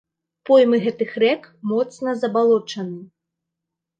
Поймы гэтых рэк моцна забалочаны.